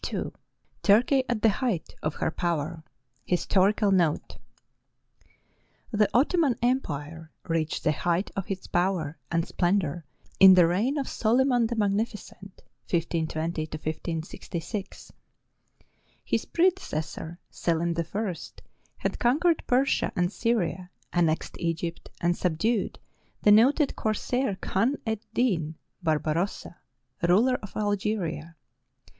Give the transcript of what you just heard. II TURKEY AT THE HEIGHT OF HER POWER HISTORICAL NOTE The Ottoman Empire reached the height of its power and splendor in the reign of Solyman the Magnificent (1520 1566). His predecessor, Selim I, had conquered Persia and Syria, annexed Egypt, and subdued the noted corsair Khan ed Din (Barbarossa), ruler of Algeria.